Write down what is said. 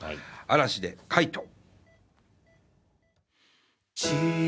嵐で「カイト」。